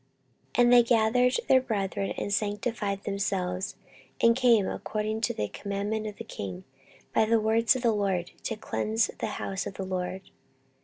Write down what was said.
14:029:015 And they gathered their brethren, and sanctified themselves, and came, according to the commandment of the king, by the words of the LORD, to cleanse the house of the LORD.